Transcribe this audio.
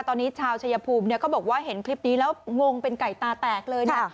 ตอนนี้ชาวชายภูมิเนี่ยเขาบอกว่าเห็นคลิปนี้แล้วงงเป็นไก่ตาแตกเลยเนี่ย